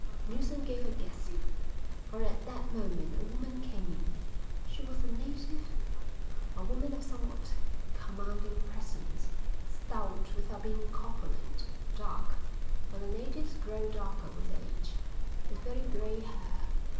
Neilson gave a gasp, for at that moment a woman came in. She was a native, a woman of somewhat commanding presence, stout without being corpulent, dark, for the natives grow darker with age, with very grey hair.